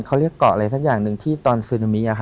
เขาเรียกเกาะอะไรสักอย่างหนึ่งที่ตอนซึนามิ